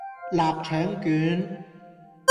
臘腸卷